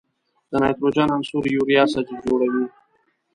د نایتروجن عنصر یوریا سره جوړوي.